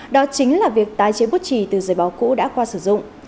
đó chính là việc tái chế bút trì từ giấy báo cũ đã qua sử dụng